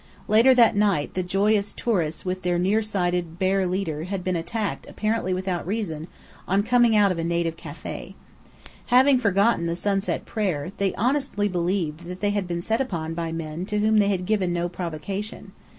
Later that night the joyous tourists with their near sighted "bear leader," had been attacked apparently without reason, on coming out of a native café. Having forgotten the sunset prayer, they honestly believed that they had been set upon by men to whom they had given no provocation.